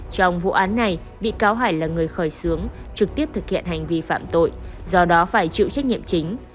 trong vụ án này bị cáo hải là người khởi xướng trực tiếp thực hiện hành vi phạm tội do đó phải chịu trách nhiệm chính